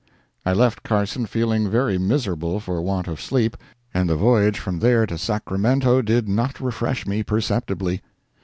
I left Carson feeling very miserable for want of sleep, and the voyage from there to Sacramento did not refresh me perceptibly.